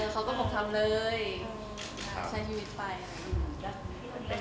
เขาก็บอกทำเลยใช้ชีวิตไป